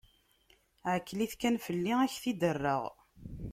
Ɛkel-it kan fell-i, ad k-t-id-rreɣ.